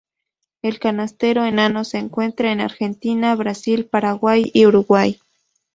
El canastero enano se encuentra en Argentina, Brasil, Paraguay y Uruguay.